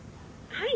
はい。